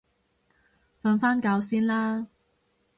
瞓返覺先啦